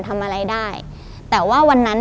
ทำอะไรได้แต่ว่าวันนั้น